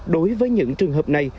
đối với những trường hợp này